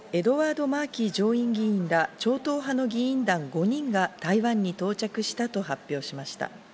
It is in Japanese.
台湾外交部は昨夜、アメリカのエドワード・マーキー上院議員ら超党派の議員団５人が台湾に到着したと発表しました。